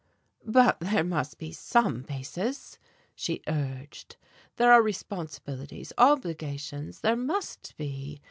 "But there must be same basis," she urged. "There are responsibilities, obligations there must be!